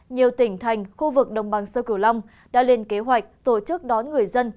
nhiều tỉnh thành khu vực đồng bằng sơ cửu long đã lên kế hoạch tổ chức đón người dân